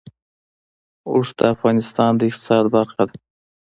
اوښ د افغانستان د اقتصاد برخه ده.